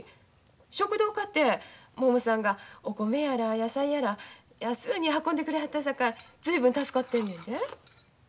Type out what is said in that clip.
食堂かてももさんがお米やら野菜やら安うに運んでくれはったさかい随分助かってんのやで。